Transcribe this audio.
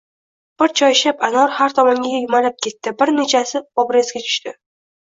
Bir choyshab anor har tomonga yumalab ketdi, bir nechasi obrezga tushdi.